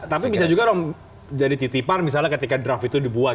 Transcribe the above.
tapi bisa juga dong jadi titipan misalnya ketika draft itu dibuat